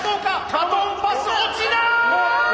バトンパス落ちない！